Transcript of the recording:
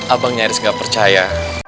abang nyaris gak percaya